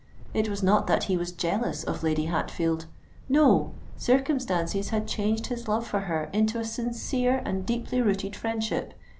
It was not that he was jealous of Lady Hatfield:—no—circumstances had changed his love for her into a sincere and deeply rooted friendship.